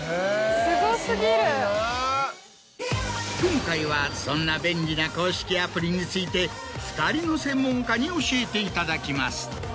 今回はそんな便利な公式アプリについて２人の専門家に教えていただきます。